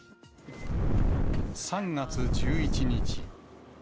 ３月１１日。